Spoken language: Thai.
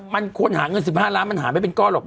มันควรหาเงิน๑๕ล้านมันหาไม่เป็นก้อนหรอก